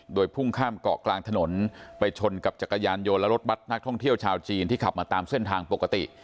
โดยพุ่งข้ามเกาะกลางถนนไปชนกับจักรยานยนต์และรถบัตรนักท่องเที่ยวชาวจีนที่ขับมาตามเส้นทางปกติ